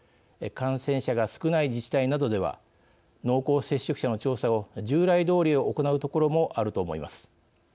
感染者が少ない自治体などでは濃厚接触者の調査を従来どおり行う所もあると思います。